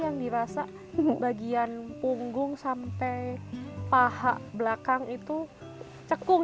yang dirasa bagian punggung sampai paha belakang itu cekung